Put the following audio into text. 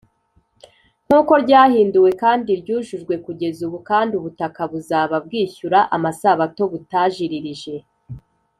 nk uko ryahinduwe kandi ryujujwe kugeza ubu kandi ubutaka buzaba bwishyura amasabato butajiririje